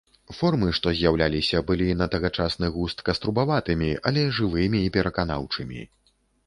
Формы, што з'яўляліся, былі, на тагачасны густ, каструбаватымі, але жывымі і пераканаўчымі.